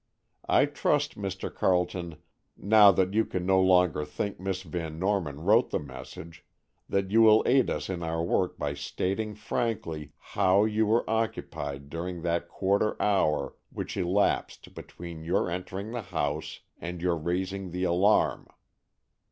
I trust, Mr. Carleton, now that you can no longer think Miss Van Norman wrote the message, that you will aid us in our work by stating frankly how you were occupied during that quarter hour which elapsed between your entering the house and your raising the alarm?"